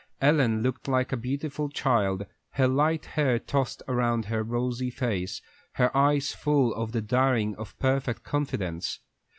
Ellen looked like a beautiful child, her light hair tossed around her rosy face, her eyes full of the daring of perfect confidence.